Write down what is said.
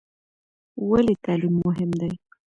ولې تعلیم مهم دی؟